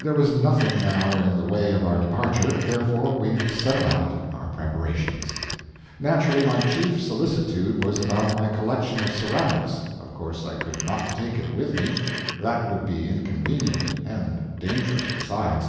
There was nothing now in the way of our departure, therefore we set about our preparations. Naturally my chief solicitude was about my collection of Ceramics. Of course I could not take it with me, that would be inconvenient, and dangerous besides.